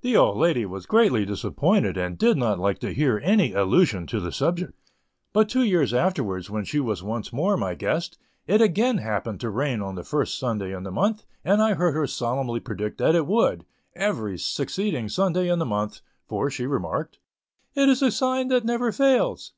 The old lady was greatly disappointed, and did not like to hear any allusion to the subject; but two years afterwards, when she was once more my guest, it again happened to rain on the first Sunday in the month, and I heard her solemnly predict that it would, every succeeding Sunday in the month, for, she remarked, "it is a sign that never fails."